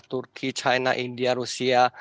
turki china india rusia